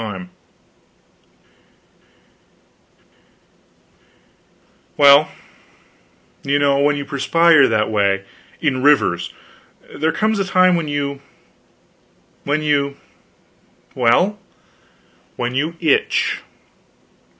Well, you know, when you perspire that way, in rivers, there comes a time when you when you well, when you itch.